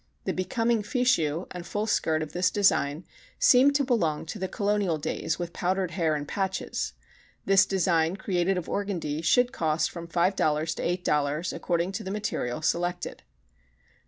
The becoming fichu and full skirt of this design seem to belong to the Colonial days with powdered hair and patches. This design, created of organdy, should cost from $5.00 to $8.00 according to the material selected. No.